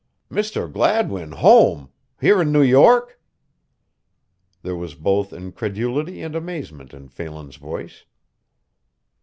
"Misther Gladwin home! Here in New York!" There was both incredulity and amazement in Phelan's voice.